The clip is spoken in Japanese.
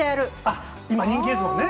あっ、今、人気ですもんね。